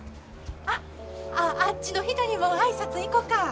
あっああっちの人にも挨拶行こか。